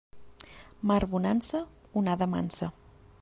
Mar bonança, onada mansa.